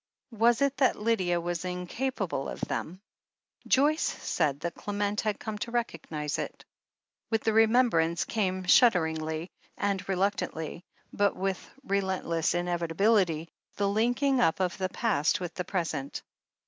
Was it that Lydia was incapable of them? Joyce said that Clement had come to recognize it. With the remembrance came, shudderingly and reluc tantly, but with relentless inevitability, the linking up of the past with the present.